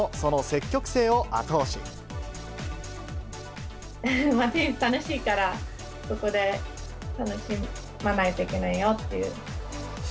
テニス、楽しいから、そこで楽しまないといけないよっていう。